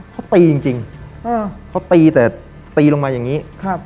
เขาตีจริงเขาตีแต่ตีลงมาอย่างนี้ครับ